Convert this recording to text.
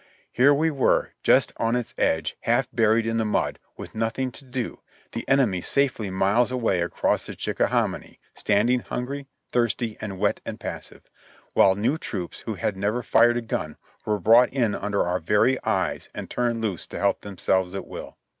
Here we were, just on its edge, half buried in the mud, with nothing to do, the enemy safely miles away across the Cliicka hominy, standing hungry, thirsty and wet and passive, while new troops, who had never fired a gun, were brought in under our very eyes and turned loose to help themselves at will